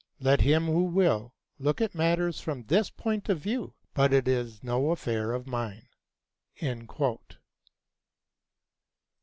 Let him who will, look at matters from this point of view; but it is no affair of mine."